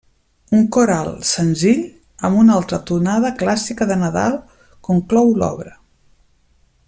Un coral senzill, amb una altra tonada clàssica de Nadal, conclou l’obra.